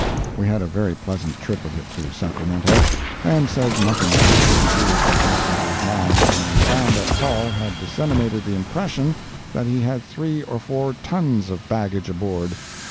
We had a very pleasant trip of it to Sacramento, and said nothing to disabuse the passengers minds when we found that Paul had disseminated the impression that he had three or four tons of baggage aboard.